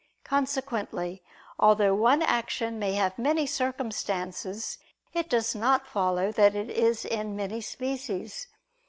Consequently, although one action may have many circumstances, it does not follow that it is in many species.